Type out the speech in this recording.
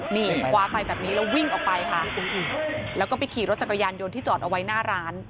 นี่คว้าไปแบบนี้แล้ววิ่งออกไปค่ะแล้วก็ไปขี่รถจักรยานยนต์ที่จอดเอาไว้หน้าร้าน